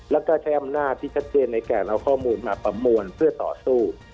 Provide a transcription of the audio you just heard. แล้วก็ใช้อำนาจที่ชัดเจนในการเอาข้อมูลมาประมวลเพื่อต่อสู้